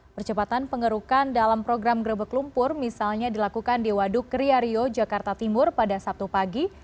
percepatan pengerukan dalam program grebek lumpur misalnya dilakukan di waduk kriario jakarta timur pada sabtu pagi